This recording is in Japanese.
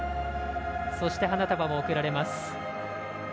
そして、花束も贈られます。